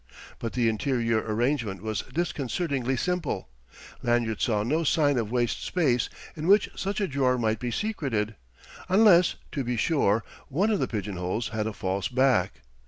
But the interior arrangement was disconcertingly simple. Lanyard saw no sign of waste space in which such a drawer might be secreted. Unless, to be sure, one of the pigeonholes had a false back....